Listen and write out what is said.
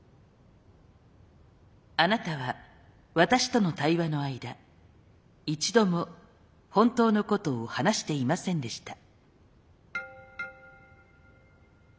あなたは私との対話の間一度も本当のことを話していませんでした。